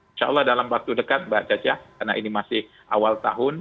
insya allah dalam waktu dekat mbak caca karena ini masih awal tahun